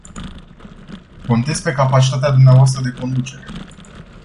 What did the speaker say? Contez pe capacitatea dumneavoastră de conducere.